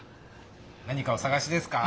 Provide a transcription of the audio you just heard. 何かおさがしですか？